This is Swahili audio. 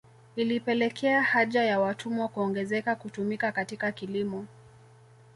Ilipelekea haja ya watumwa kuongezeka kutumika katika kilimo